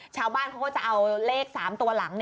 ชาวบ้านเขาก็จะเอาเลข๓ตัวหลัง